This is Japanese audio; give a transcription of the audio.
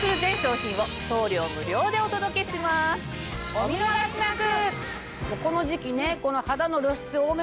お見逃しなく！